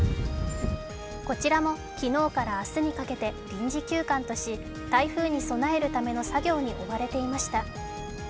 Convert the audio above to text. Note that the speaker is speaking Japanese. こちらも昨日から明日にかけて臨時休館とし台風に備えるための作業に追われていました。